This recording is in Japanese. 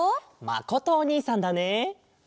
まことおにいさんだね。